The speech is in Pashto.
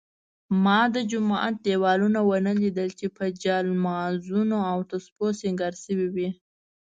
ما د جومات دېوالونه ونه لیدل چې په جالمازونو او تسپو سینګار شوي وي.